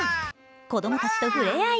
子供たちと触れ合い